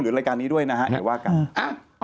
หรือรายการนี้ด้วยนะฮะไอ้ว่ากัน